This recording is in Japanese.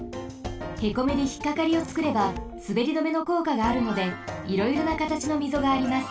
へこみでひっかかりをつくればすべり止めのこうかがあるのでいろいろなかたちのみぞがあります。